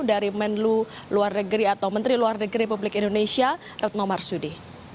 dari menlu luar negeri atau menteri luar negeri republik indonesia retno marsudi